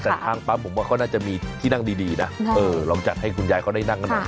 แต่ทางปั๊มผมว่าเขาน่าจะมีที่นั่งดีนะเออลองจัดให้คุณยายเขาได้นั่งกันหน่อย